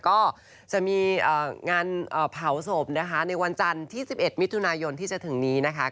ก็จะมีงานเผาศพนะคะในวันจันทร์ที่๑๑มิถุนายนที่จะถึงนี้นะคะ